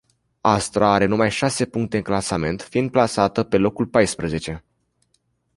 Astra are numai șase puncte în clasament, fiind plasată pe locul paisprezece.